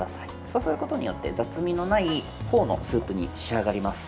そうすることによって雑味のないフォーのスープに仕上がります。